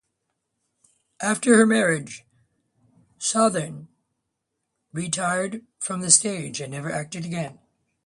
After her marriage, Sothern retired from the stage and never acted again.